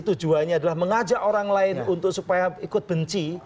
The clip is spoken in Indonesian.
tujuannya adalah mengajak orang lain untuk supaya ikut benci